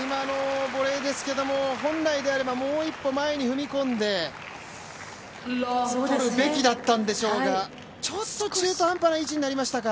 今のボレーですけれども、本来であればもう一歩前に踏み込んでとるべきだったんでしょうが、ちょっと中途半はな位置になりましたが。